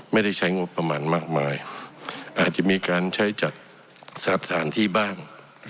ใช้งบประมาณมากมายอาจจะมีการใช้จัดสถานที่บ้าง